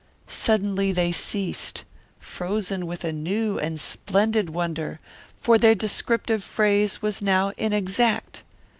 Suddenly they ceased, frozen with a new and splendid wonder, for their descriptive phrase was now inexact.